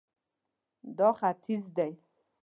دا ختیځ دی